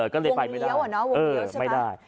ค่ะวงเลี้ยวเหรอเนอะไม่ได้